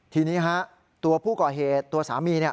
ทีนี้ฮะตัวผู้ก่อเหตุตัวสามีเนี่ย